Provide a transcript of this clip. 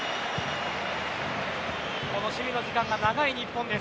この守備の時間が長い日本です。